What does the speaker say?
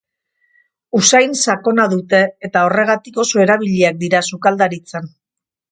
Usain sakona dute eta horregatik oso erabiliak dira sukaldaritzan.